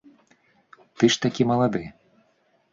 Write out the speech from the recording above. Ты ж такі малады!